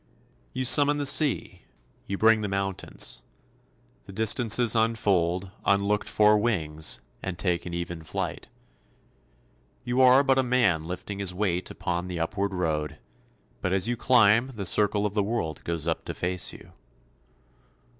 You summon the sea, you bring the mountains, the distances unfold unlooked for wings and take an even flight. You are but a man lifting his weight upon the upward road, but as you climb the circle of the world goes up to face you.